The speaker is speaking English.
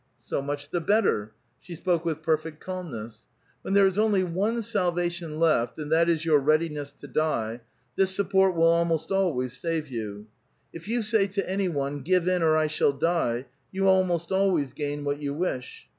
" So much the ])etter." She spoke with perfect calmness. " When there is only one salvation left, and that is your readiness to die, this support will almost always save you. If you say to any one, 'Give in, or I shall die,' you almost always gain what you wish.